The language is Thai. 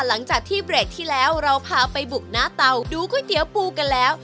หลังจากที่เบรกที่แล้วเราพาไปบุกหน้าเตาดูก๋วยเตี๋ยวปูกันแล้ว